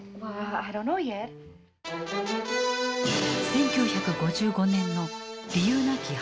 １９５５年の「理由なき反抗」。